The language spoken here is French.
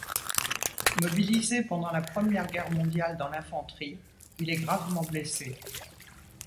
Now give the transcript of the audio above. Mobilisé pendant la Première Guerre mondiale dans l'infanterie, il est gravement blessé.